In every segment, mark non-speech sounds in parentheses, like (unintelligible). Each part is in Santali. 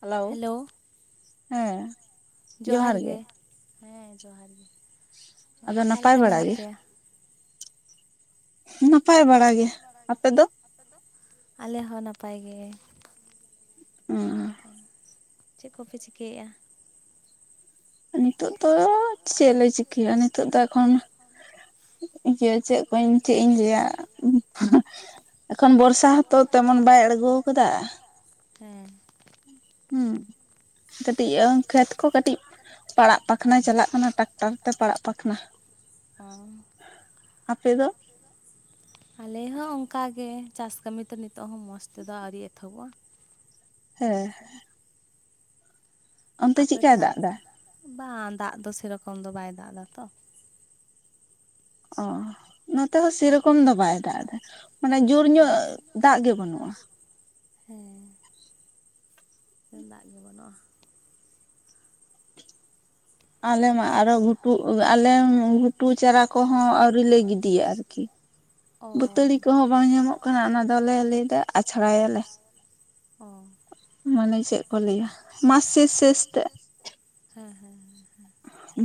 ᱦᱮᱞᱳᱣ᱾ ᱦᱮᱸ᱾ ᱡᱚᱦᱟᱨ ᱜᱮ᱾ ᱦᱮᱸ ᱡᱚᱦᱟᱨ ᱜᱮ᱾ ᱚᱠᱟ ᱞᱮᱠᱟ ᱢᱮᱱᱟᱜ ᱯᱮᱭᱟ? ᱱᱟᱯᱟᱭ ᱵᱟᱲᱟ ᱜᱮ, ᱟᱯᱮ ᱫᱚ? ᱟᱞᱮ ᱦᱚᱸ ᱱᱟᱯᱟᱭ ᱜᱮ᱾ ᱩᱸᱻ ᱪᱮᱫ ᱠᱚ ᱯᱮ ᱪᱤᱠᱟᱹᱭᱮᱫᱼᱟ? ᱱᱤᱛᱚᱜ ᱫᱚ ᱪᱮᱫ ᱞᱮ ᱪᱤᱠᱟᱹᱭᱟ? ᱱᱤᱛᱚᱜ ᱫᱚ ᱮᱠᱷᱚᱱ᱾ ᱤᱭᱟᱹ ᱪᱮᱫ ᱠᱚᱧ ᱪᱮᱫ ᱤᱧ ᱞᱟᱹᱭᱟ? (unintelligible) ᱮᱠᱷᱚᱱ ᱵᱚᱨᱥᱟ ᱦᱚᱛᱚ ᱛᱮᱢᱚᱱ ᱵᱟᱭ ᱟᱬᱜᱚ ᱟᱠᱟᱫᱟ᱾ ᱦᱮᱸ᱾ (inaudible) ᱠᱟᱹᱴᱤᱡ ᱟ, ᱠᱷᱮᱛ ᱠᱚ ᱠᱟᱹᱴᱤᱡ᱾ ᱯᱟᱲᱟᱜ ᱯᱟᱠᱷᱱᱟ ᱪᱟᱞᱟᱜ ᱠᱟᱱᱟ ᱴᱟᱠᱴᱟᱨ ᱛᱮ ᱯᱟᱲᱟᱜ ᱯᱟᱠᱷᱱᱟ᱾ ᱟᱯᱮ ᱫᱚ? ᱟᱞᱮ ᱦᱚᱸ ᱚᱱᱠᱟ ᱜᱮ ᱪᱟᱥ ᱠᱟᱹᱢᱤ ᱛᱚ ᱱᱤᱛᱚᱜ ᱦᱚᱸ ᱢᱚᱸᱡᱽ ᱛᱮ ᱫᱚ ᱟᱣᱨᱤ ᱮᱛᱚᱦᱚᱵᱚᱜᱼᱟ᱾ ᱦᱮ ᱻ᱾ ᱟᱯᱮᱼᱫᱟᱜ? ᱵᱟᱝ, ᱫᱟᱜ ᱫᱚ ᱥᱮ ᱨᱚᱠᱚᱢ ᱫᱚ ᱵᱟᱭ ᱫᱟᱜ ᱫᱟ ᱛᱚ᱾ ᱚᱻ᱾ ᱱᱚᱛᱮ ᱦᱚᱸ ᱥᱮ ᱨᱚᱠᱚᱢ ᱫᱚ ᱵᱟᱭ ᱫᱟᱜ ᱫᱟ᱾ ᱢᱟᱱᱮ ᱡᱩᱨ ᱧᱚᱜ ᱫᱟᱜ ᱜᱮ ᱵᱟᱹᱱᱩᱜᱼᱟ᱾ ᱦᱮᱸᱻ᱾ ᱫᱟᱜ ᱜᱮ ᱵᱟᱹᱱᱩᱜᱼᱟ᱾ ᱟᱞᱮ ᱢᱟ ᱟᱨᱦᱚᱸ ᱜᱷᱩᱴᱩ ᱩ ᱟᱞᱮ ᱩᱸ ᱜᱷᱩᱴᱩ ᱪᱟᱨᱟ ᱠᱩᱦᱚᱸ ᱟᱹᱣᱨᱤ ᱞᱮ ᱜᱤᱰᱤᱭᱟ ᱟᱨᱠᱤ᱾ ᱵᱟᱹᱛᱟᱹᱲᱤ ᱠᱚ ᱦᱚᱸ ᱵᱟᱝ ᱧᱟᱢᱚᱜ ᱠᱟᱱᱟ᱾ ᱚᱱᱟ ᱫᱚ ᱞᱮ ᱞᱟᱹᱭᱮᱫᱟ ᱟᱪᱷᱲᱟᱭᱟ ᱞᱮ᱾ ᱚᱻ᱾ ᱢᱟᱱᱮ ᱪᱮᱫ ᱠᱚ ᱞᱟᱹᱭᱟ, ᱢᱟᱥᱮ ᱥᱤᱥᱴᱟᱹᱨ᱾ ᱦᱮᱸ ᱦᱮᱸ ᱦᱮᱸ ᱦᱮᱸ᱾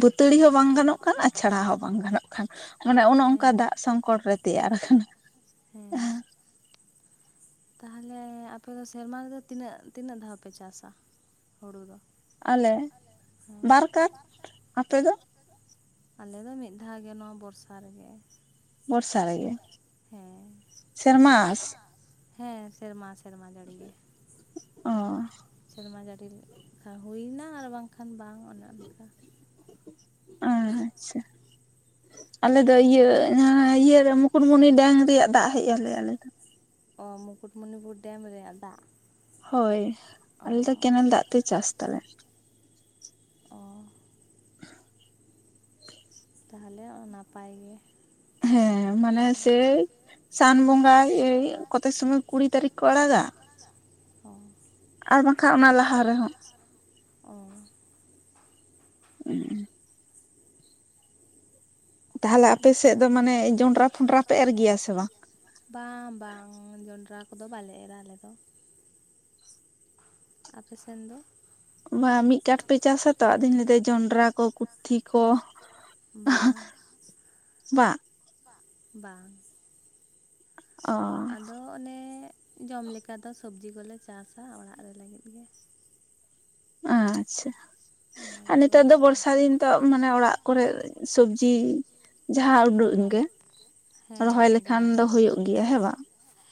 ᱵᱟᱹᱛᱟᱹᱲᱤ ᱦᱚᱸ ᱵᱟᱝ ᱜᱟᱱᱚᱜ ᱠᱟᱱᱟ, ᱟᱪᱷᱟᱲᱟ ᱦᱚᱸ ᱵᱟᱝ ᱜᱟᱱᱚᱜ ᱠᱟᱱᱟ᱾ ᱢᱟᱱᱮ ᱚᱱᱮ ᱚᱱᱝᱠᱟ ᱫᱟᱜ ᱥᱚᱝᱠᱚᱴ ᱨᱮ ᱛᱮᱭᱟᱨ᱾ ᱦᱩᱸ᱾ ᱛᱟᱦᱞᱮ ᱦᱮᱸ ᱟᱯᱮ ᱫᱚ ᱥᱮᱨᱢᱟ ᱨᱮ ᱫᱚ ᱛᱤᱱᱟᱹᱜ ᱛᱤᱱᱟᱹᱜ ᱫᱷᱟᱣ ᱯᱮ ᱪᱟᱥᱟ ᱦᱩᱨᱩ ᱫᱚ? ᱟᱞᱮ ᱵᱟᱨ ᱠᱟᱴ, ᱟᱯᱮ ᱫᱚ? ᱟᱞᱮ ᱫᱚ ᱢᱤᱫ ᱫᱷᱟᱣ ᱜᱮ ᱱᱚᱣᱟ ᱵᱚᱨᱥᱟ ᱨᱮ ᱜᱮ᱾ ᱵᱚᱨᱥᱟ ᱨᱮ ᱜᱮ᱾ ᱥᱮᱨᱢᱟᱻᱥ ᱦᱮᱸ ᱥᱮᱨᱢᱟ ᱥᱮᱨᱢᱟ ᱡᱟᱹᱲᱤ ᱜᱮ᱾ ᱚᱻ᱾ ᱥᱮᱨᱢᱟ ᱡᱟᱹᱲᱤᱞ ᱦᱩᱭᱮᱱᱟ ᱟᱨ ᱵᱟᱝ ᱠᱷᱟᱱ ᱵᱟᱝ ᱚᱱᱮ ᱚᱱᱠᱟ᱾ ᱟᱻ ᱦᱟᱪᱪᱷᱟ᱾ ᱟᱞᱮ ᱫᱚ ᱤᱭᱟᱹ ᱦᱟᱺ ᱤᱭᱟᱹ ᱨᱮ ᱢᱩᱠᱩᱴᱢᱩᱱᱤ ᱰᱮᱢ ᱨᱮᱭᱟᱜ ᱫᱟᱜ ᱦᱮᱡ ᱟᱞᱮᱭᱟ, ᱟᱞᱮ ᱫᱚ᱾ ᱚᱻ ᱢᱩᱠᱩᱴᱢᱩᱱᱤᱯᱩᱨ ᱰᱮᱢ ᱨᱮᱭᱟᱜ ᱫᱟᱜ᱾ ᱦᱳᱭ, ᱟᱞᱮ ᱠᱮᱱᱮᱞ ᱫᱟᱜ ᱛᱮ ᱪᱟᱥ ᱫᱟᱞᱮ᱾ ᱚᱸᱻ᱾ (unintelligible) ᱛᱟᱦᱞᱮ ᱚᱻ ᱱᱟᱯᱟᱭ ᱜᱮ᱾ ᱦᱮᱸ ᱢᱟᱱᱮ ᱥᱮᱭ ᱥᱟᱱ ᱵᱚᱸᱜᱟ ᱮᱭ ᱠᱚᱛᱮ ᱥᱩᱢᱩ ᱠᱩᱲᱤ ᱛᱟᱹᱨᱤᱠ ᱠᱚ ᱟᱲᱟᱜᱼᱟ᱾ ᱚᱸᱻ ᱟᱨ ᱵᱟᱝ ᱠᱷᱟ ᱚᱱᱟ ᱞᱟᱦᱟ ᱨᱮ ᱦᱚᱸᱼᱼ ᱩᱸᱻ ᱛᱟᱦᱚᱞᱮ ᱟᱯᱮ ᱥᱮᱫ ᱫᱚ ᱢᱟᱱᱮ ᱡᱚᱸᱰᱨᱟ ᱯᱷᱩᱸᱰᱨᱟ ᱯᱮ ᱮᱨ ᱜᱮᱭᱟ ᱥᱮ ᱵᱟᱝ᱾ ᱵᱟᱝ ᱵᱟᱝ ᱡᱚᱱᱰᱨᱟ ᱠᱚ ᱫᱚ ᱵᱟᱞᱮ ᱮᱨᱟ ᱟᱞᱮ ᱫᱚ᱾ ᱟᱯᱮ ᱥᱮᱱ ᱫᱚ ᱵᱟ ᱢᱤᱫ ᱠᱟᱴ ᱯᱮ ᱪᱟᱥᱟ ᱛᱚ ᱟᱫᱚᱧ ᱞᱟᱹᱭᱟ ᱡᱚᱱᱰᱨᱟ ᱠᱚ ᱠᱩ ᱛᱷᱤ ᱠᱚ ᱟᱦᱟ ᱵᱟ᱾ ᱵᱟᱝ ᱟᱫᱚ᱾ ᱚᱱᱮ ᱡᱚᱢ ᱞᱮᱠᱟ ᱫᱚ ᱥᱚᱵᱽᱡᱤ ᱠᱚᱞᱮ ᱪᱟᱥᱟ ᱚᱲᱟᱜ ᱨᱮ ᱞᱟᱹᱜᱤᱫ ᱜᱮ᱾ ᱟᱪᱪᱷᱟ ᱟᱨ ᱱᱮᱛᱟᱨ ᱫᱚ ᱵᱚᱲᱥᱟ ᱫᱤᱱ ᱛᱚ ᱢᱟᱱᱮ ᱚᱲᱟᱜ ᱠᱚᱨᱮ᱾ ᱥᱚᱵᱽᱡᱤ ᱡᱟᱦᱟᱸ ᱩᱰᱩᱜᱼᱮᱱ ᱜᱮ ᱨᱚᱦᱚᱭ ᱞᱮᱠᱷᱟᱱ ᱫᱚ ᱦᱩᱭᱩᱜ ᱜᱮᱭᱟ ᱦᱮᱸ ᱵᱟᱝᱼᱼ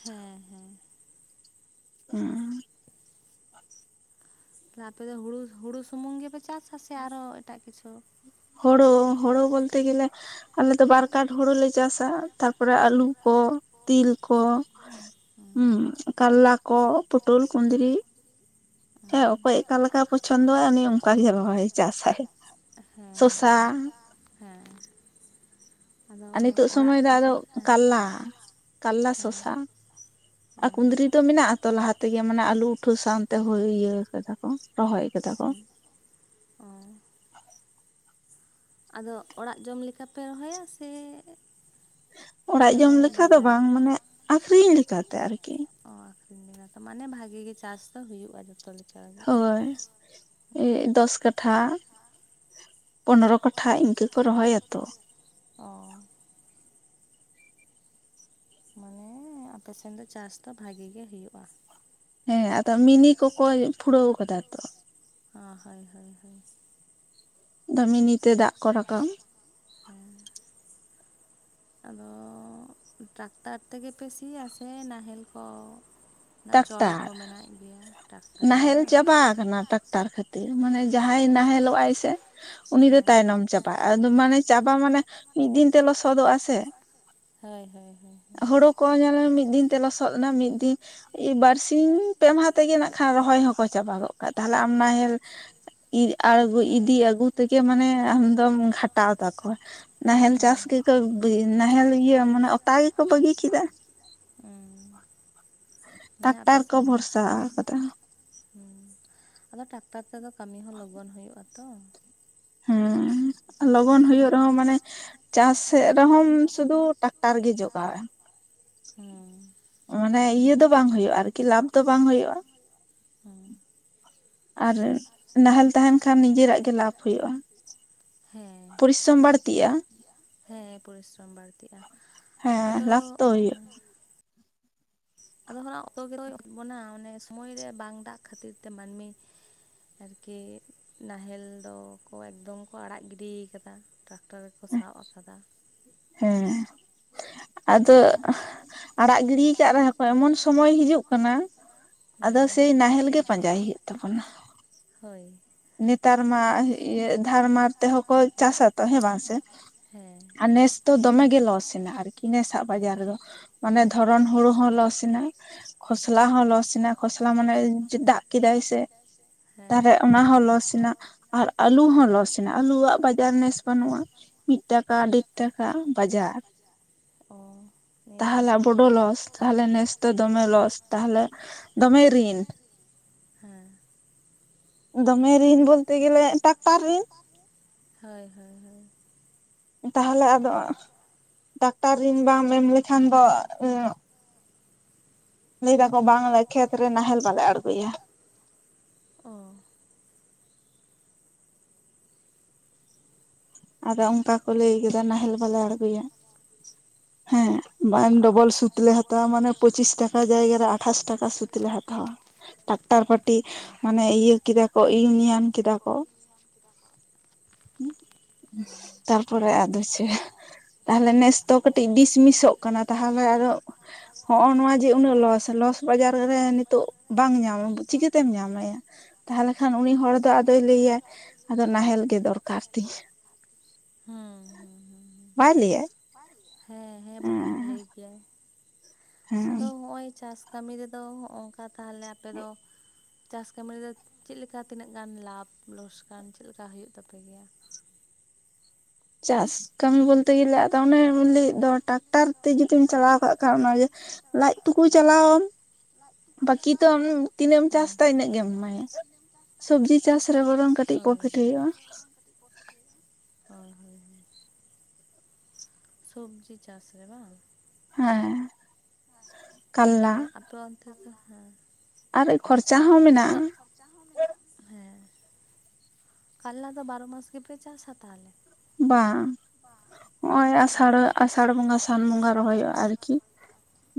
ᱦᱮᱸ ᱦᱮᱸ ᱦᱩᱸ ᱟᱯᱮ ᱫᱚ ᱦᱩᱲᱩ ᱦᱩᱲᱩ ᱥᱩᱢᱩᱝ ᱜᱮᱯᱮ ᱪᱟᱥᱟ ᱥᱮ ᱟᱨᱦᱚᱸ ᱮᱴᱟᱜ ᱠᱤᱪᱷᱩ᱾ ᱦᱳᱲᱳ ᱦᱳᱲᱳ ᱵᱚᱞᱛᱮ ᱜᱮᱞᱮᱼᱼ ᱟᱞᱮ ᱫᱚ ᱵᱟᱨ ᱠᱟᱰ ᱦᱩᱲᱩ ᱞᱮ ᱪᱟᱥᱟ ᱛᱟᱨᱯᱚᱨᱮ ᱟᱹᱞᱩ ᱠᱚ ᱛᱤᱞ ᱠᱚ᱾ ᱦᱩᱸ ᱠᱟᱞᱞᱟ ᱠᱚ ᱯᱩᱴᱩᱞ ᱠᱩᱸᱫᱽᱨᱤ᱾ ᱦᱮᱸ ᱚᱠᱚᱭ ᱚᱠᱟ ᱞᱮᱠᱟ ᱠᱚ ᱪᱷᱚᱱᱫᱚᱭᱟ ᱩᱱᱤ ᱚᱝᱠᱟᱜᱮ ᱨᱚᱦᱚᱭ ᱪᱟᱥᱟᱭ᱾ ᱥᱚᱥᱟ‌ ᱦᱮᱸ ᱟᱨ ᱱᱤᱛᱚᱜ ᱥᱚᱢᱚᱭ ᱫᱚ ᱟᱫᱚ ᱠᱟᱞᱞᱟ ᱠᱟᱞᱞᱟ ᱥᱚᱥᱟ᱾ ᱟᱨ ᱠᱩᱸᱫᱽᱨᱤ ᱫᱚ ᱢᱮᱱᱟᱜ ᱟᱛᱚ ᱞᱟᱦᱟ ᱛᱮᱜᱮ ᱢᱟᱱᱮ ᱟᱹᱞᱩ ᱩᱴᱷᱟᱹᱣ ᱥᱟᱶᱛᱮ ᱦᱩᱭ ᱤᱭᱟᱹ ᱠᱟᱫᱟ ᱠᱚ᱾ ᱨᱚᱦᱚᱭ ᱟᱠᱟᱫᱟ ᱠᱚ (unintelligible) ᱟᱫᱚ ᱚᱲᱟᱜ ᱡᱚᱢ ᱞᱮᱠᱟ ᱯᱮ ᱨᱚᱦᱚᱭᱟ ᱥᱮ ᱚᱲᱟᱜ ᱡᱚᱢ ᱞᱮᱠᱟ ᱫᱚ ᱵᱟᱝ ᱢᱟᱱᱮ ᱟᱠᱷᱨᱤᱧ ᱞᱮᱠᱟᱛᱮ ᱟᱨᱠᱤ᱾ ᱚ ᱟᱠᱷᱨᱤᱧ ᱞᱮᱠᱟ ᱛᱚ ᱢᱟᱱᱮ ᱵᱷᱟᱜᱤ ᱜᱮ ᱪᱟᱥ ᱫᱚ ᱦᱩᱭᱩᱜᱼᱟ ᱡᱚᱛᱚ ᱞᱮᱠᱟ᱾ ᱦᱳᱭ ᱫᱳᱥ ᱠᱟᱴᱷᱟ᱾ ᱯᱚᱱᱰᱨᱚ ᱠᱟᱴᱷᱟ ᱤᱝᱠᱟᱹ ᱠᱚ ᱨᱚᱦᱚᱭᱟ ᱛᱚᱼᱼ ᱚᱸ ᱢᱟᱱᱮ ᱦᱮᱸ ᱟᱯᱮ ᱥᱮᱱ ᱫᱚ ᱪᱟᱥ ᱫᱚ ᱵᱷᱟᱜᱤ ᱜᱮ ᱦᱩᱭᱩᱜᱼᱟ᱾ ᱦᱮᱸ ᱟᱫᱚ ᱢᱤᱱᱤ ᱠᱚᱠᱚ ᱯᱷᱩᱲᱟᱹᱣ ᱠᱟᱫᱟ ᱛᱚᱼᱼ ᱦᱟᱸ ᱦᱟᱹᱭ ᱦᱟᱹᱭ ᱦᱟᱹᱭ ᱫᱚ ᱢᱤᱱᱤ ᱛᱮ ᱫᱟᱜ ᱠᱚ ᱨᱚᱠᱟᱣᱟ᱾ ᱦᱮᱸ ᱟᱫᱚ ᱴᱟᱠᱴᱟᱨ ᱛᱮᱜᱮ ᱯᱮ ᱥᱤᱭᱟ ᱥᱮ ᱱᱟᱦᱮᱞ ᱠᱚ᱾ ᱨᱮᱱᱟᱜ ᱪᱚᱞ ᱠᱚ ᱢᱮᱱᱟᱜ ᱜᱮᱭᱟ ᱴᱟ ᱱᱟᱦᱮᱞ ᱪᱟᱵᱟ ᱟᱠᱟᱱᱟ ᱴᱟᱠᱴᱟᱨ ᱠᱷᱟᱹᱛᱤᱨ ᱢᱟᱱᱮ ᱡᱟᱦᱟᱸᱭ ᱱᱟᱦᱮᱞᱚᱜᱼᱟᱭ ᱥᱮᱼᱼ ᱩᱱᱤ ᱫᱚ ᱛᱟᱭᱱᱚᱢ ᱪᱟᱵᱟᱜᱼᱟ ᱟ ᱢᱟᱱᱮ ᱪᱟᱵᱟ ᱢᱟᱱᱮ ᱢᱤᱫ ᱫᱤᱱ ᱛᱮ ᱞᱚᱥᱚᱫᱚᱜᱼᱟ ᱥᱮᱼᱼ ᱦᱟᱹᱭ ᱦᱟᱹᱭ ᱦᱟᱹᱭ ᱦᱳᱲᱳ ᱠᱚ ᱦᱚᱸ ᱧᱮᱞ ᱢᱮ ᱢᱤᱫ ᱫᱤᱱ ᱛᱮ ᱞᱚᱥᱚᱫ ᱮᱱᱟ ᱢᱤᱫ ᱫᱤᱱ ᱵᱟᱨᱥᱤᱧ ᱯᱮ ᱢᱟᱦᱟ ᱛᱮᱜᱮ ᱱᱟᱦᱟᱜ ᱠᱷᱟᱡ ᱨᱚᱦᱚᱭ ᱦᱚᱸ ᱠᱚ ᱪᱟᱵᱟ ᱜᱚᱜ ᱠᱟᱜ ᱛᱟᱦᱞᱮ ᱟᱢ ᱱᱟᱦᱮᱞ᱾ ᱤᱡ ᱟᱲᱜᱩ ᱤᱫᱤ ᱟᱹᱜᱩ ᱛᱮᱜᱮ ᱢᱟᱱᱮ ᱟᱢᱫᱚᱢ ᱜᱷᱟᱴᱟᱣ ᱛᱟᱠᱚᱣᱟ ᱾ ᱱᱟᱦᱮᱞ ᱪᱟᱥ ᱜᱮᱠᱚ (unintelligible) ᱱᱟᱦᱮᱞ ᱤᱭᱟᱹ ᱢᱟᱱᱮ ᱚᱛᱟ ᱜᱮᱠᱚ ᱵᱟᱹᱜᱤ ᱠᱮᱫᱟ ᱾ ᱩᱸ ᱾ ᱴᱟᱠᱴᱟᱨ ᱠᱚ ᱵᱷᱚᱨᱥᱟ ᱠᱟᱫᱟ ᱾ ᱦᱩᱸ, ᱟᱫᱚ ᱴᱟᱠᱴᱟᱨ ᱛᱮᱫᱚ ᱠᱟᱹᱢᱤ ᱦᱚᱸ ᱞᱚᱜᱚᱱ ᱦᱩᱭᱩᱜᱼᱟ ᱛᱚ ᱾ ᱦᱮᱸ, ᱞᱚᱜᱚᱱ ᱦᱳᱭᱳᱜ ᱨᱮᱦᱚᱸ ᱢᱟᱱᱮ ᱪᱟᱥᱮᱜ ᱨᱮᱦᱚᱸᱢ ᱥᱩᱫᱩ ᱴᱟᱠᱴᱟᱨ ᱜᱮ ᱡᱚᱜᱟᱣᱮᱢ ᱾ ᱦᱩᱸ ᱾ ᱢᱟᱱᱮ ᱤᱭᱟᱹ ᱫᱚ ᱵᱟᱝ ᱦᱩᱭᱩᱜᱼᱟ ᱟᱨᱠᱤ ᱞᱟᱵᱷ ᱫᱚ ᱵᱟᱝ ᱦᱩᱭᱩᱜᱼᱟ ᱾ ᱟᱨ ᱱᱟᱦᱮᱞ ᱛᱟᱦᱮᱱ ᱠᱷᱟᱱ ᱱᱤᱡᱮᱨᱟᱜ ᱜᱮ ᱞᱟᱵᱷ ᱦᱩᱭᱩᱜᱼᱟ ᱾ ᱯᱚᱨᱤᱥᱚᱢ ᱵᱟᱹᱲᱛᱤᱜᱼᱟ ᱾ ᱮᱸ ᱯᱚᱨᱤᱥᱨᱚᱢ ᱵᱟᱹᱲᱛᱤᱜᱼᱟ, ᱟᱫᱚ ᱦᱮᱸ ᱾ ᱟᱫᱚ ᱦᱚᱱᱟᱜ ᱚᱠᱛᱚ ᱫᱚᱭ ᱵᱚᱱᱟ ᱚᱱᱮ ᱥᱚᱢᱚᱭ ᱨᱮ ᱵᱟᱝ ᱫᱟᱜ ᱠᱷᱟᱹᱛᱤᱨ ᱛᱮ ᱢᱟᱹᱱᱢᱤ ᱟᱨᱠᱤ ᱱᱟᱦᱮᱞ ᱫᱚᱠᱚ ᱮᱠᱫᱚᱢ ᱠᱚ ᱟᱲᱟᱜ ᱜᱤᱰᱤ ᱠᱟᱫᱟ ᱾ ᱴᱨᱟᱠᱴᱟᱨ ᱨᱮᱠᱚ ᱥᱟᱵ ᱠᱟᱫᱟ ᱾ ᱦᱮᱸ ᱾ ᱟᱫᱚ ᱟᱲᱟᱜ ᱜᱤᱰᱤ ᱠᱟᱜ ᱨᱮᱦᱚᱸ ᱠᱚ ᱮᱢᱚᱱ ᱥᱚᱢᱚᱭ ᱦᱤᱡᱩᱜ ᱠᱟᱱᱟ ᱾ ᱟᱫᱚ ᱥᱮᱭ ᱱᱟᱦᱮᱞ ᱜᱮ ᱯᱟᱸᱡᱟᱭ ᱦᱩᱭᱩᱜ ᱛᱟᱵᱚᱱᱟ ᱾ ᱦᱳᱭ ᱾ ᱱᱮᱛᱟᱨ ᱢᱟ ᱤᱭᱟᱹ ᱫᱷᱟᱨᱢᱟᱨ ᱛᱮᱦᱚᱸ ᱠᱚ ᱪᱟᱥᱟᱛᱚ ᱦᱮᱸ ᱵᱟᱝ ᱥᱮ? ᱟᱨ ᱱᱮᱥ ᱫᱚ ᱫᱚᱢᱮ ᱜᱮ ᱞᱚᱥ ᱮᱱᱟ ᱟᱨᱠᱤ ᱱᱮᱥᱟᱜ ᱵᱟᱡᱟᱨ ᱨᱮ ᱫᱚ ᱾ ᱢᱟᱱᱮ ᱫᱷᱚᱨᱚᱱ ᱦᱩᱲᱩ ᱦᱚᱸ ᱞᱚᱥ ᱮᱱᱟ ᱠᱷᱚᱥᱞᱟ ᱦᱚᱸ ᱞᱚᱥ ᱮᱱᱟ ᱠᱷᱚᱥᱞᱟ ᱢᱟᱱᱮ ᱫᱟᱜ ᱠᱮᱫᱟᱭ ᱥᱮ ᱛᱟᱷᱨᱮ ᱚᱱᱟ ᱦᱚᱸ ᱞᱚᱥ ᱮᱱᱟ ᱾ ᱟᱨ ᱟᱞᱩ ᱦᱚᱸ ᱞᱚᱥ ᱮᱱᱟ ᱟᱹᱞᱩᱣᱟᱜ ᱵᱟᱡᱟᱨ ᱱᱮᱥ ᱵᱟᱹᱱᱩᱜᱼᱟ ᱾ ᱢᱤᱫᱴᱟᱠᱟ ᱰᱮᱴ ᱴᱟᱠᱟ ᱵᱟᱡᱟᱨ ᱾ ᱚ! ᱛᱟᱦᱟᱞᱮ ᱵᱚᱰᱳ ᱞᱚᱥ ᱛᱟᱦᱮᱞᱮ ᱱᱮᱥ ᱫᱚ ᱫᱚᱢᱮ ᱞᱚᱥ ᱛᱟᱦᱞᱮ ᱫᱚᱢᱮ ᱨᱤᱱ ᱾ ᱦᱮᱸ ᱾ ᱫᱚᱢᱮ ᱨᱤᱱ ᱵᱚᱞᱛᱮ ᱜᱮᱞᱮ ᱴᱟᱠᱴᱟᱨ ᱨᱤᱱ ᱾ ᱦᱳᱭ ᱦᱳᱭ ᱦᱳᱭ ᱾ ᱛᱟᱦᱟᱞᱮ ᱟᱫᱚ ᱴᱟᱠᱴᱟᱨ ᱨᱤᱱ ᱵᱟᱢ ᱮᱢ ᱞᱮᱠᱷᱟᱱ ᱫᱚ ᱮᱸ ᱞᱟᱹᱭ ᱫᱟᱠᱚ ᱵᱟᱝᱞᱮ ᱠᱷᱮᱛ ᱨᱮ ᱱᱟᱦᱮᱞ ᱵᱟᱞᱮ ᱟᱬᱜᱚᱭᱟ ᱾ ᱚ ᱾ ᱟᱫᱚ ᱚᱝᱠᱟ ᱠᱚ ᱞᱟᱹᱭ ᱠᱮᱫᱟ ᱱᱟᱦᱮᱞ ᱵᱟᱞᱮ ᱟᱬᱜᱚᱭᱟ ᱾ (inaudible) ᱦᱮᱸ, ᱵᱟᱝ ᱰᱚᱵᱚᱞ ᱥᱩᱫ ᱞᱮ ᱦᱟᱛᱟᱣᱟ ᱢᱟᱱᱮ ᱯᱚᱸᱪᱤᱥ ᱴᱟᱠᱟ ᱡᱟᱭᱜᱟᱨ ᱨᱮ ᱟᱴᱷᱟᱥ ᱴᱟᱠᱟ ᱥᱩᱫ ᱞᱮ ᱦᱟᱛᱟᱣᱟ ᱾ ᱴᱟᱠᱴᱟᱨ ᱯᱟᱴᱤ ᱢᱟᱱᱮ ᱤᱭᱟᱹ ᱠᱮᱫᱟ ᱠᱚ ᱤᱭᱩᱱᱤᱭᱚᱱ ᱠᱮᱫᱟ ᱠᱚ ᱾ ᱛᱟᱨᱯᱚᱨᱮ ᱟᱫᱚ ᱪᱮ ᱛᱟᱞᱦᱮ ᱱᱮᱥ ᱫᱚ ᱠᱟᱹᱴᱤᱡ ᱵᱤᱥᱢᱤᱥᱚᱜ ᱠᱟᱱᱟ ᱛᱟᱦᱟᱞᱮ ᱟᱨᱚ ᱦᱚᱜᱼᱚ ᱱᱚᱣᱟ ᱡᱮ ᱩᱱᱟᱹᱜ ᱞᱚᱥ ᱞᱚᱥ ᱵᱟᱡᱟᱨ ᱨᱮ ᱱᱤᱛᱳᱜ ᱵᱟᱝ ᱧᱟᱢᱟ ᱪᱤᱠᱟᱹᱛᱮᱢ ᱧᱟᱢᱟᱭᱟ? ᱛᱟᱦᱟᱞᱮ ᱠᱷᱟᱱ ᱩᱱᱤ ᱦᱚᱲ ᱫᱚ ᱟᱫᱚᱭ ᱞᱟᱹᱭᱟᱭ ᱟᱫᱚ ᱱᱟᱦᱮᱞ ᱜᱮ ᱫᱚᱨᱠᱟᱨ ᱛᱤᱧ ᱾ ᱦᱮᱸ ᱦᱮᱸ ᱦᱮᱸ ᱦᱮᱸ ᱾ ᱵᱟᱭ ᱞᱟᱹᱭᱟᱭ ᱾ ᱵᱟᱭ ᱞᱟᱹᱭᱟᱭ, ᱦᱮᱸ ᱾ ᱦᱮᱸ ᱦᱮᱸ ᱵᱟᱠᱷᱟᱱ ᱞᱟᱹᱭ ᱠᱮᱭᱟᱭ ᱟᱫᱚ ᱦᱚᱸᱜᱼᱚᱭ ᱪᱟᱥ ᱠᱟᱹᱢᱤ ᱨᱮᱫᱚ ᱦᱚᱼᱚᱝ, ᱠᱟ ᱛᱟᱞᱦᱮ ᱟᱯᱮ ᱫᱚ, ᱪᱟᱥ ᱠᱟᱹᱢᱤ ᱨᱮᱫᱚ ᱪᱮᱜ ᱞᱮᱠᱟ ᱛᱤᱱᱟᱹᱜ ᱜᱟᱱ ᱞᱟᱵᱷ ᱞᱚᱥ ᱠᱟᱱ ᱪᱮᱞᱠᱟ ᱦᱩᱭᱩᱜ ᱛᱟᱯᱮ ᱜᱮᱭᱟ? ᱪᱟᱥ ᱠᱟᱹᱢᱤ ᱵᱚᱞᱛᱮ ᱜᱮᱞᱮ ᱟᱫᱚ ᱚᱱᱮ ᱩᱱ ᱞᱟᱹᱜᱤᱫ ᱫᱚ ᱴᱟᱠᱴᱟᱨ ᱛᱮ ᱡᱩᱫᱤᱢ ᱪᱟᱞᱟᱣ ᱠᱟᱜ ᱠᱷᱟᱱ ᱚᱱᱟᱜᱮ, ᱞᱟᱡ ᱛᱩᱠᱩ ᱪᱟᱞᱟᱣᱟ᱾ ᱵᱟᱠᱤ ᱛᱚᱢ ᱛᱤᱱᱟᱹᱢ ᱪᱟᱥ ᱫᱟ ᱤᱱᱟᱹᱜ ᱜᱮᱢ ᱮᱢᱟᱭᱟ ᱥᱚᱵᱽᱡᱤ ᱪᱟᱥ ᱨᱮ ᱵᱚᱨᱚᱝ ᱠᱟᱹᱴᱤᱜ ᱯᱨᱚᱯᱷᱤᱴ ᱦᱩᱭᱩᱜᱼᱟ᱾ ᱚᱸ ᱦᱚᱭ ᱦᱚᱭ᱾ ᱥᱚᱵᱽᱡᱤ ᱪᱟᱥ ᱨᱮ ᱵᱟᱝ᱾ ᱦᱮᱸ, ᱛᱟᱦᱚᱞᱮ ᱟᱯᱮ ᱚᱱᱛᱮ ᱯᱮ ᱦᱮᱸ ᱚᱱᱟ ᱫᱚ ᱛᱟᱦᱚᱞᱮ ᱟᱯᱮ, ᱡᱟᱝ ᱦᱚᱸᱢᱮᱱᱟᱜ, ᱦᱮᱸ ᱠᱟᱨᱞᱟ ᱫᱚ ᱵᱟᱨᱚ ᱢᱟᱥ ᱜᱮᱯᱮ ᱪᱟᱥᱟ ᱛᱟᱦᱚᱞᱮ? ᱵᱟᱝ᱾ ᱚᱸᱜᱼᱚᱭ ᱟᱥᱟᱲ ᱟᱥᱟᱲ ᱵᱚᱸᱜᱟ ᱥᱟᱱ ᱵᱚᱸᱜᱟ ᱨᱚᱦᱚᱭᱚᱜ ᱟᱨᱠᱤ᱾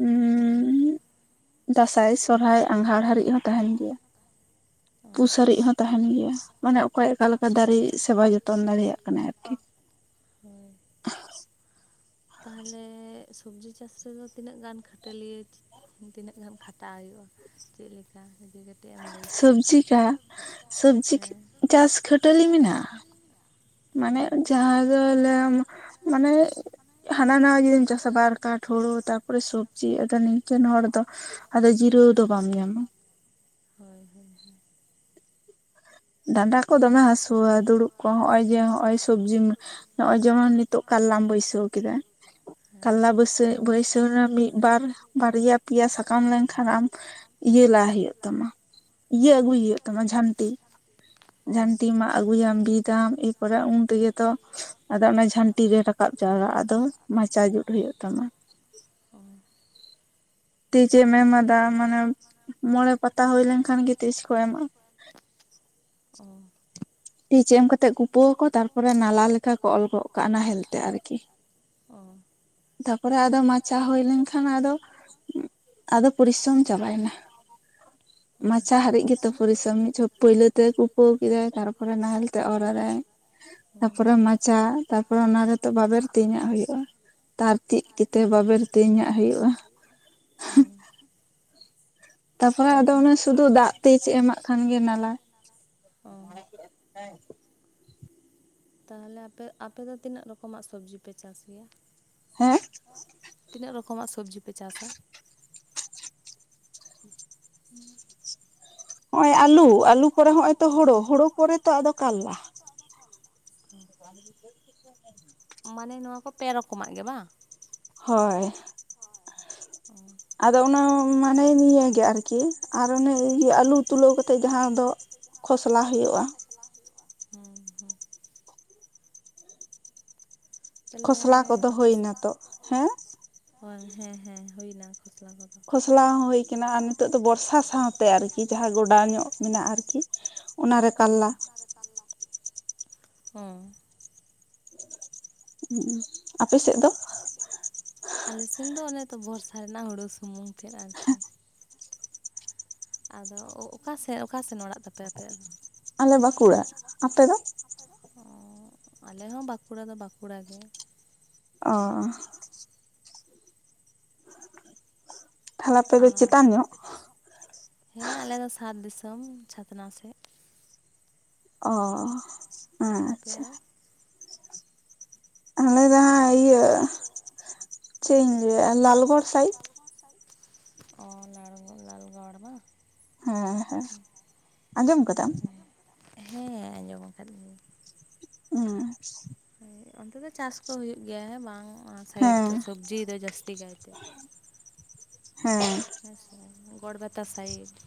ᱩᱸ ᱫᱟᱸᱥᱟᱭ ᱥᱚᱦᱨᱟᱭ ᱟᱸᱜᱷᱟᱲ ᱦᱟᱨᱤᱜ ᱦᱚᱸ ᱛᱟᱦᱮᱱ ᱜᱮᱭᱟ᱾ ᱯᱩᱥ ᱦᱟᱹᱨᱤᱜ ᱦᱚᱸ ᱛᱟᱦᱮᱱ ᱜᱮᱭᱟ ᱢᱟᱱᱮ ᱚᱠᱚᱭ ᱚᱠᱟᱞᱮᱠᱟ ᱫᱟᱨᱮᱭ ᱥᱮᱵᱟᱭ ᱡᱚᱛᱚᱱ ᱫᱟᱲᱮᱭᱟᱜ ᱠᱟᱱᱟᱭ ᱟᱨᱠᱤ᱾ ᱦᱮᱸ, ᱛᱟᱦᱚᱞᱮ ᱥᱚᱵᱡᱤ ᱪᱟᱥ ᱨᱮᱫᱚ ᱛᱤᱱᱟᱹᱜ ᱜᱟᱱ ᱠᱷᱟᱹᱴᱟᱞᱤᱭᱟᱹ, ᱛᱤᱱᱟᱹᱜ ᱜᱟᱱ ᱠᱷᱟᱴᱟᱣ ᱦᱩᱭᱩᱜᱼᱟ ᱪᱮᱫ ᱞᱮᱠᱟ ᱤᱫᱤ ᱠᱟᱛᱮᱜ, ᱥᱚᱵᱡᱤᱠᱟ ᱥᱚᱵᱡᱤ ᱪᱟᱥ ᱠᱷᱟᱹᱴᱟᱹᱞᱤ ᱢᱮᱱᱟᱜᱼᱟ᱾ ᱢᱟᱱᱮ ᱡᱟᱦᱟ ᱫᱚ ᱞᱟᱭᱟᱢ ᱢᱟᱱᱮ, ᱦᱟᱱᱟ ᱱᱟᱣᱟ ᱡᱩᱫᱤᱢ ᱪᱟᱥᱟ ᱵᱟᱨ ᱠᱟᱴ ᱦᱩᱲᱩ ᱛᱟᱨᱯᱚᱨᱮ ᱥᱚᱵᱽᱡᱤ ᱟᱫᱚ ᱱᱤᱝᱠᱟᱱ ᱦᱚᱲ ᱫᱚ, ᱟᱫᱚ ᱡᱤᱨᱟᱹᱣ ᱫᱚ ᱵᱟᱢ ᱧᱟᱢᱟ᱾ ᱦᱳᱭ ᱦᱳᱭ ᱦᱳᱭ᱾ ᱰᱟᱸᱰᱟ ᱠᱚ ᱫᱚᱢᱮ ᱦᱟᱹᱥᱩᱣᱟ ᱫᱩᱲᱩᱵ ᱠᱚ ᱦᱚᱸᱚᱭ ᱡᱮ ᱦᱚᱸ ᱚᱭ ᱥᱚᱵᱡᱤ, ᱱᱚᱜᱼᱚᱭ ᱡᱮᱢᱚᱱ ᱱᱤᱛᱚᱜ ᱠᱟᱨᱞᱟᱢ ᱵᱟᱹᱭᱥᱟᱹᱣ ᱠᱮᱫᱟ᱾ ᱠᱟᱞᱞᱟ ᱵᱟᱹᱭᱥᱟᱹᱭ ᱵᱟᱹᱭᱥᱟᱹ ᱨᱮᱱ ᱢᱤᱫᱵᱟᱨ ᱵᱟᱨᱭᱟ ᱯᱮᱭᱟ ᱥᱟᱠᱟᱢ ᱞᱮᱱᱠᱷᱟᱱ ᱟᱢ, ᱤᱭᱟᱹ ᱞᱟ ᱦᱩᱭᱩᱜ ᱛᱟᱢᱟ ᱤᱭᱟᱹ ᱟᱹᱜᱩᱭ ᱦᱩᱭᱩᱜ ᱛᱟᱢᱟ ᱡᱷᱟᱱᱴᱤ᱾ ᱡᱷᱟᱱᱴᱤ ᱢᱟᱜ ᱟᱹᱜᱩᱭᱟᱢ ᱵᱤᱫᱟᱢ ᱮᱨᱯᱚᱨᱮ ᱩᱱ ᱛᱮᱜᱮ ᱛᱚ, ᱟᱫᱚ ᱚᱱᱟ ᱡᱷᱟᱹᱱᱴᱤ ᱨᱮ ᱨᱟᱠᱟᱵ ᱡᱟᱣᱨᱟᱜᱼᱟ ᱟᱫᱚ ᱢᱟᱪᱟ ᱡᱩᱛ ᱦᱩᱭᱩᱜ ᱛᱟᱢᱟ᱾ ᱛᱮᱡᱮᱢ ᱮᱢᱟᱫᱟ ᱢᱟᱱᱮ ᱢᱚᱬᱮ ᱯᱟᱛᱟ ᱦᱩᱭ ᱞᱮᱱ ᱠᱷᱟᱱ ᱜᱮ ᱛᱮᱡ ᱠᱚ ᱮᱢᱟᱭᱟ᱾ ᱚ, ᱛᱮᱪ ᱮᱢ ᱠᱟᱛᱮᱫ ᱠᱩ ᱯᱩᱹᱣᱟᱠᱚ ᱛᱟᱨᱯᱚᱨᱮ ᱱᱟᱞᱟ ᱞᱮᱠᱟ ᱠᱚ ᱚᱞ ᱜᱚᱜ ᱠᱟᱜᱼᱟ ᱦᱮᱞ ᱛᱮ ᱟᱨᱠᱤ᱾ ᱚ, ᱛᱟᱨᱯᱚᱨᱮ ᱟᱫᱚ ᱢᱟᱪᱟ ᱦᱩᱭ ᱞᱮᱱᱠᱷᱟᱱ ᱟᱫᱚ, ᱟᱫᱚ ᱯᱚᱨᱤᱥᱚᱢ ᱪᱟᱵᱟᱭ ᱱᱟ᱾ (inaudible) ᱢᱟᱪᱷᱟ ᱦᱟᱨᱤᱜ ᱜᱮᱛᱚ ᱯᱚᱨᱤᱥᱚᱢ ᱢᱤᱫ ᱡᱟ ᱯᱟᱹᱭᱞᱟᱹ ᱛᱮ ᱠᱩᱯᱟᱹᱣ ᱠᱮᱫᱟᱭ ᱛᱟᱨᱯᱚᱨᱮ ᱱᱟᱦᱮᱞ ᱛᱮ ᱚᱨᱟᱞᱮ᱾ ᱛᱟᱯᱚᱨᱮ ᱢᱟᱪᱟ ᱛᱟᱯᱚᱨᱮ ᱚᱱᱟ ᱨᱮᱛᱚ ᱵᱟᱵᱮᱨ ᱛᱮᱧᱟᱜ ᱦᱩᱭᱩᱜᱼᱟ᱾ ᱛᱟᱨ ᱛᱤᱜ ᱠᱟᱛᱮᱜ ᱵᱟᱵᱮᱨ ᱛᱮᱧᱟᱜ ᱦᱩᱭᱩᱜᱼᱟ᱾ ᱚ, ᱛᱟᱨᱯᱚᱨᱮ ᱟᱫᱚ ᱚᱱᱮ ᱥᱩᱫᱷᱩ ᱫᱟᱜᱽ ᱛᱮᱡ ᱮᱢᱟᱜ ᱠᱷᱟᱱ ᱜᱮ ᱱᱟᱞᱟ᱾ ᱦᱟᱝ, ᱛᱟᱦᱚᱞᱮ ᱟᱯᱮ ᱟᱯᱮ ᱫᱚ ᱛᱤᱱᱟᱹᱜ ᱨᱚᱠᱚᱢᱟᱜ ᱥᱚᱵᱽᱡᱤ ᱯᱮ ᱪᱟᱥ ᱜᱮᱭᱟ? ᱦᱮᱸ, ᱛᱤᱱᱟᱹᱜ ᱨᱚᱠᱚᱢᱟᱜ ᱥᱚᱵᱽᱡᱤ ᱯᱮ ᱪᱟᱥᱟ (inaudible) ᱦᱚᱸᱜ-ᱚᱭ ᱟᱞᱩ ᱟᱞᱩ ᱯᱚᱨᱮ ᱦᱚᱸᱜ-ᱚᱭ ᱛᱚ ᱦᱳᱲᱳ ᱦᱳᱲᱳ ᱯᱚᱨᱮ ᱛᱚ ᱟᱫᱚ ᱠᱟᱞᱞᱟ᱾ ᱢᱟᱱᱮ ᱱᱚᱣᱟ ᱠᱚ ᱯᱮ ᱨᱚᱠᱚᱢᱟᱜ ᱜᱮ ᱵᱟ᱾ ᱦᱚᱭ᱾ ᱦᱚᱭ᱾ ᱟᱫᱚ ᱚᱱᱟ ᱢᱟᱱᱮ ᱱᱤᱭᱟᱹᱜᱮ ᱟᱨᱠᱤ ᱟᱨ ᱚᱱᱮ ᱤᱭᱟᱹ ᱟᱞᱩ ᱛᱩᱞᱟᱹᱣ ᱠᱟᱛᱮ ᱡᱟᱸᱦᱟ ᱫᱚ᱾ ᱠᱷᱚᱥᱞᱟ ᱦᱳᱭᱳᱜ-ᱟ ᱦᱩᱸ ᱦᱩᱸ᱾ ᱠᱷᱚᱥᱞᱟ ᱟᱯᱮ ᱥᱮ ᱠᱷᱚᱥᱞᱟ ᱠᱚᱫᱚ ᱦᱳᱭᱱᱟ ᱦᱚᱭ ᱦᱮᱸ ᱦᱮᱸ ᱦᱩᱭᱱᱟ ᱠᱷᱚᱥᱞᱟ ᱠᱚᱫᱚ᱾ ᱠᱷᱚᱥᱞᱟ ᱦᱚᱸ ᱦᱳᱭ ᱠᱟᱱᱟ ᱟᱨ ᱱᱤᱛᱚᱜ ᱫᱚ ᱵᱚᱨᱥᱟ ᱥᱟᱶᱛᱮ ᱟᱨᱠᱤ ᱡᱟᱦᱟ ᱜᱚᱰᱟ ᱧᱚᱜ ᱢᱮᱱᱟᱜ-ᱟ ᱟᱨᱠᱤ᱾ ᱚᱱᱟᱨᱮ ᱠᱟᱞᱞᱟ ᱛᱟᱞᱞᱟ ᱦᱩᱸ᱾ ᱦᱩᱸᱜ ᱩᱸ ᱟᱯᱮ ᱥᱮᱜ ᱫᱚ᱾ ᱟᱞᱮᱥᱮᱱ ᱫᱚ ᱚᱱᱮ ᱛᱚ ᱵᱚᱨᱥᱟ ᱨᱮᱱᱟᱜ ᱦᱩᱲᱩ ᱥᱩᱢᱩᱝ ᱛᱮᱫ ᱟᱨᱠᱤ᱾ ᱟᱫᱚ ᱚᱠᱟᱥᱮᱜ ᱚᱠᱟᱥᱮᱱ ᱚᱲᱟᱜ ᱛᱟᱯᱮ ᱟᱯᱮᱭᱟᱜ ᱫᱚ᱾ ᱟᱞᱮ ᱵᱟᱸᱠᱩᱲᱟ ᱟᱯᱮ ᱫᱚ ᱚ ᱟᱞᱮ ᱦᱚᱸ ᱵᱟᱸᱠᱩᱲᱟ ᱫᱚ ᱵᱟᱸᱠᱩᱲᱟ ᱜᱮ ᱚᱻ ᱚᱻ ᱟᱯᱮ ᱪᱮᱛᱟᱱ ᱧᱚᱜ ᱦᱮᱸ ᱟᱞᱮ ᱫᱚ ᱥᱟᱛ ᱫᱤᱥᱚᱢ ᱪᱷᱟᱛᱱᱟ ᱥᱮᱜ᱾ ᱚ ᱟᱪᱪᱷᱟ ᱟᱞᱮ ᱫᱚ ᱦᱟᱸᱜ ᱤᱭᱟᱹ᱾ ᱪᱮᱜ ᱤᱧ ᱞᱟᱹᱭᱼᱟ ᱞᱟᱞᱜᱚᱲ ᱥᱟᱭᱤ ᱚᱻ ᱞᱟᱲᱜ ᱞᱟᱞᱜᱚᱲ ᱵᱟ᱾ ᱦᱮᱸ ᱦᱮᱸ ᱟᱸᱡᱚᱢ ᱠᱟᱫᱟᱢ ᱦᱮᱸ ᱟᱸᱡᱚᱢ ᱟᱠᱟᱫ ᱜᱤᱭᱟᱹᱧ᱾ ᱩᱸ (unintelligible) ᱚᱱᱛᱮ ᱫᱚ ᱪᱟᱥ ᱠᱚ ᱦᱩᱭᱩᱜ ᱜᱮᱭᱟ ᱦᱮᱸ ᱵᱟᱝ ᱚᱱᱟ ᱥᱟᱭᱤᱰ ᱫᱚ ᱥᱚᱵᱡᱤ ᱫᱚ ᱡᱟᱹᱥᱛᱤ ᱠᱟᱭ ᱛᱮ ᱦᱮᱸ ᱦᱮᱸᱥᱮ ᱜᱚᱲ ᱵᱮᱛᱟ ᱥᱟᱭᱤᱰ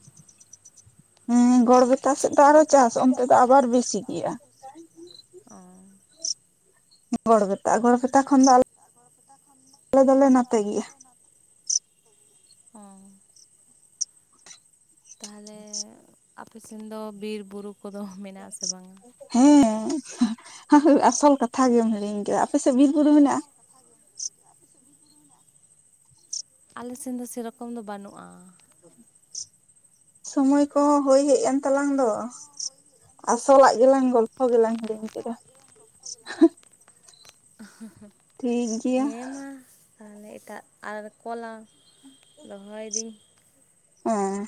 ᱜᱚᱲ ᱵᱮᱛᱟ ᱥᱮᱫ ᱫᱚ ᱟᱨᱚ ᱪᱟᱥ ᱚᱱᱛᱮ ᱫᱚ ᱟᱵᱟᱨ ᱵᱮᱥᱤ ᱜᱮᱭᱟ ᱚᱻ᱾ ᱜᱚᱲ ᱵᱮᱛᱟ ᱜᱚᱲ ᱵᱮᱛᱟ ᱠᱷᱚᱱ ᱫᱚ ᱟᱞᱮ ᱫᱚᱞᱮ ᱱᱟᱛᱮ ᱜᱮᱭᱟ ᱚᱻ᱾ ᱛᱟᱦᱞᱮ ᱟᱯᱮ ᱥᱮᱱ ᱫᱚ ᱵᱤᱨ ᱵᱩᱨᱩ ᱠᱚᱫᱚ ᱢᱮᱱᱟᱜ-ᱟ ᱥᱮ ᱵᱟᱝ-ᱟ᱾ ᱦᱳ ᱦᱳ ᱟᱥᱚᱞ ᱠᱟᱛᱷᱟ ᱜᱮᱢ ᱦᱤᱲᱤᱧ ᱠᱟᱫᱟ ᱟᱯᱮ ᱥᱮᱜ ᱵᱤᱨ ᱵᱩᱨᱩ ᱢᱮᱱᱟᱜᱼᱟ᱾ ᱠᱟᱛᱷᱟ ᱜᱮᱢ ᱦᱤᱲᱤᱧ ᱠᱮᱜ-ᱟ ᱟᱯᱮ ᱥᱮᱜ ᱵᱤᱨ ᱵᱩᱨᱩ ᱢᱮᱱᱟᱜ-ᱟ᱾ ᱟᱞᱮ ᱥᱮᱱ ᱫᱚ ᱥᱮ ᱨᱚᱠᱚᱢ ᱫᱚ ᱵᱟᱹᱱᱩᱜᱼᱟ ᱥᱳᱢᱳᱭ ᱠᱚᱦᱚᱸ ᱦᱳᱭ ᱦᱮᱡ ᱮᱱ ᱛᱟᱞᱟᱝ ᱫᱚ ᱟᱥᱚᱞ ᱟᱜ ᱜᱮᱞᱟᱝ ᱜᱚᱞᱯᱚ ᱜᱮᱞᱟᱝ ᱦᱤᱲᱤᱧ ᱠᱮᱫᱟ ᱜᱚᱞᱯᱷᱚ ᱜᱮ ᱞᱟᱝ ᱦᱤᱲᱤᱧ (unintelligible) ᱦᱮᱸ ᱢᱟ ᱛᱟᱦᱞᱮ ᱮᱴᱟᱜ ᱟᱨᱠᱚ ᱞᱟᱝ ᱫᱚᱦᱚᱭ ᱫᱤᱧ᱾ ᱦᱮᱸ